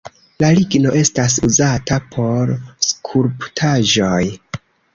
La ligno estas uzata por skulptaĵoj.